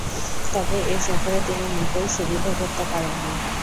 তবে, এ সফরে তিনি মোটেই সুবিধে করতে পারেননি।